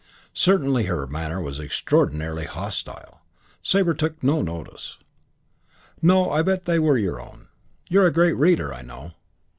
Certainly her manner was extraordinarily hostile. Sabre took no notice. "No, I bet they were your own. You're a great reader, I know."